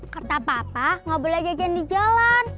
kata papa ngobrol aja aja di jalan